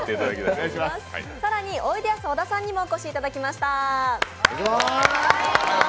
おいでやす小田さんにもお越しいただきました。